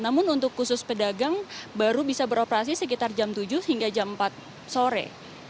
namun untuk khusus pedagang baru bisa beroperasi sekitar jam tujuh hingga jam empat sore